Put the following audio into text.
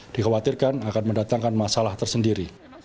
dikhawatirkan akan mendatangkan masalah tersendiri